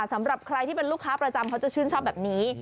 สำหรับใครที่เป็นลูกค้าประจำเขาจะชื่นชอบแบบนี้